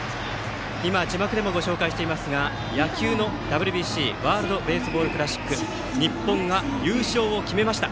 今、字幕でもご紹介していますが野球のＷＢＣ＝ワールド・ベースボール・クラシック日本が優勝を決めました！